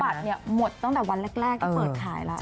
เขาบอกว่าบัตรหมดตั้งแต่วันแรกที่เปิดขายแล้ว